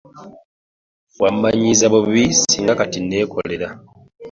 Wammanyiiza bubi ssinga kati nneekolerera.